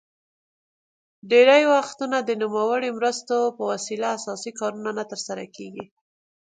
ډیری وختونه د نوموړو مرستو په وسیله اساسي کارونه نه تر سره کیږي.